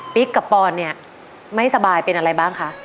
กับปอนเนี่ยไม่สบายเป็นอะไรบ้างคะ